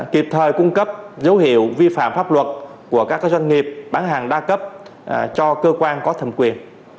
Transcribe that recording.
kịp thời cung cấp dấu hiệu vi phạm pháp luật của các doanh nghiệp bán hàng đa cấp cho cơ quan có thẩm quyền